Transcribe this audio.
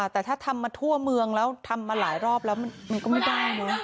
แต่ถ้าทำมาทั่วเมืองแล้วทำมาหลายรอบแล้วมันก็ไม่ได้เนอะ